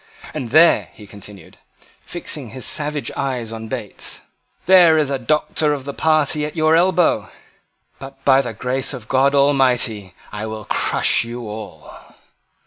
And there," he continued, fixing his savage eye on Bates, "there is a Doctor of the party at your elbow. But, by the grace of God Almighty, I will crush you all."